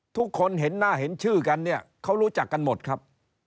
ทุกคนเห็นหน้าเห็นชื่อกันเนี่ยเขารู้จักกันหมดครับ